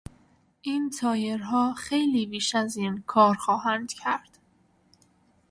این تایرها خیلی بیش از این کار خواهند کرد.